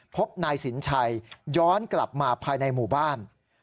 พบนายสินชัยย้อนกลับมาภายในหมู่บ้าน